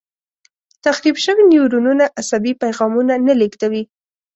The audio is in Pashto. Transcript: تخریب شوي نیورونونه عصبي پیغامونه نه لېږدوي.